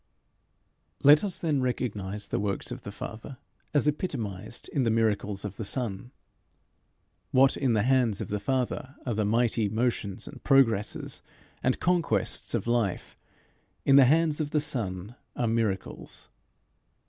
Let us then recognize the works of the Father as epitomized in the miracles of the Son. What in the hands of the Father are the mighty motions and progresses and conquests of life, in the hands of the Son are miracles.